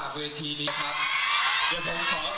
เดี๋ยวผมขอจบลงไว้ก่อน